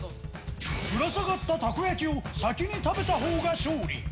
ぶら下がったたこ焼きを先に食べたほうが勝利。